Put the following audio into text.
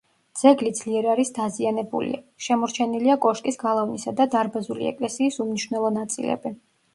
ძეგლი ძლიერ არის დაზიანებული: შემორჩენილია კოშკის, გალავნისა და დარბაზული ეკლესიის უმნიშვნელო ნაწილები.